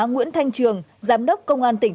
nguyễn thanh trường giám đốc công an tỉnh